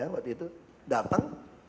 waktu itu datang